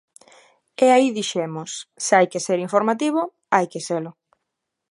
E aí dixemos: se hai que ser un informativo, hai que selo.